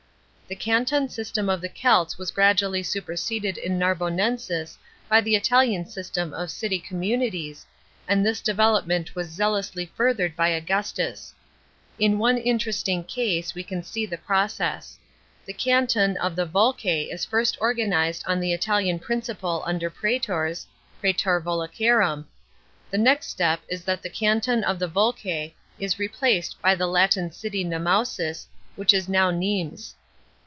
The canton system of the Celts was gradually super sede! in Narbonensis by ttie Italian system of city communities, and this development was zealously furthered by Augustus. In one interesting case we can see the process. The canton of the Volcse is first organised on the Italian principle under | rasters (prcetor Volcarum)\ the next step is that the canton of the Voices is replaced by the Latin city Nemausus, which is now Nimes.